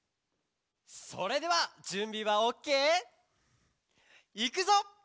それではじゅんびはオッケー？いくぞ！